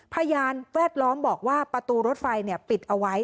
พยานแวดล้อมบอกว่าประตูรถไฟปิดเอาไว้